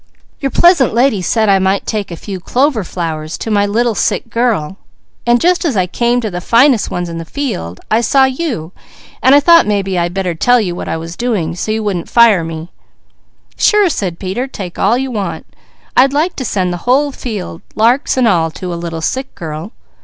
Your pleasant lady said I might take a few clover flowers to my little sick girl, and just as I came to the finest ones in the field, I saw you so I thought maybe I'd better tell you what I was doing before you fired me." "Take all you want," said Peter. "I'd like to send the whole field, larks and all, to a little sick girl.